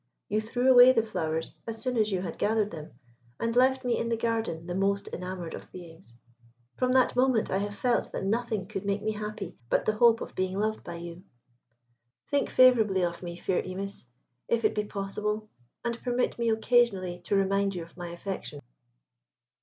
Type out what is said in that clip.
You threw away the flowers as soon as you had gathered them, and left me in the garden the most enamoured of beings. From that moment I have felt that nothing could make me happy but the hope of being loved by you. Think favourably of me, fair Imis, if it be possible, and permit me occasionally to remind you of my affection."